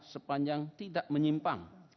sepanjang tidak menyimpang